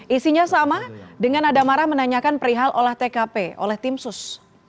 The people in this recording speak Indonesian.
isinya sama dengan nada marah menanyakan perihal olah tkp oleh tim sus